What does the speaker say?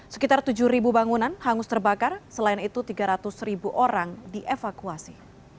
sekitar tujuh bangunan hangus terbakar selain itu tiga ratus ribu orang dievakuasi